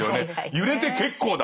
揺れて結構だ。